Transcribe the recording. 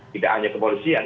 tidak hanya kepolisian